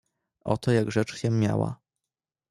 "Oto jak rzecz się miała."